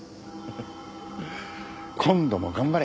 今度も頑張れ。